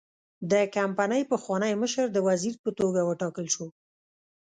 د کمپنۍ پخوانی مشر د وزیر په توګه وټاکل شو.